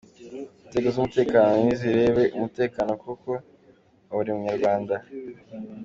Inzego z’umutekano nizirebe umutekano koko wa buri munyarwanda.